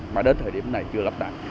mà đến thời điểm này chưa lắp đặt